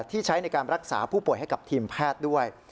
ใช้ในการรักษาผู้ป่วยให้กับทีมแพทย์ด้วย